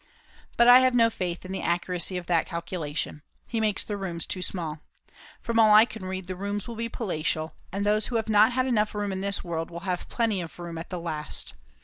But I have no faith in the accuracy of that calculation. He makes the rooms too small. From all I can read the rooms will be palatial, and those who have not had enough room in this world will have plenty of room at the last.